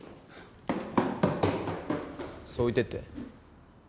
それ置いてって。